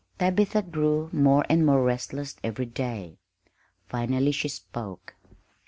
Tabitha grew more and more restless every day. Finally she spoke.